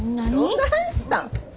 どないしたん？